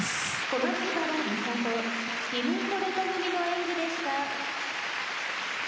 「小松原美里ティム・コレト組の演技でした」